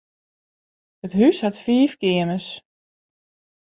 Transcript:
It hús hat fiif keamers.